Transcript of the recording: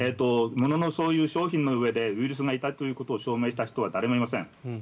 物の商品の上でウイルスがいたということを証明した人は誰もいません。